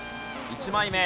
１枚目。